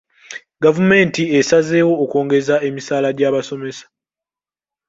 Gavumenti esazeewo okwongeza emisaala gy'abasomesa.